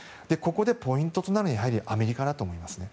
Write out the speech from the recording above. ここでポイントとなるのはやはりアメリカだと思いますね。